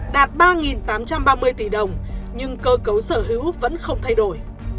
đạt ba tám trăm ba mươi tỷ đồng nhưng cơ cấu sở hữu vẫn không thay đổi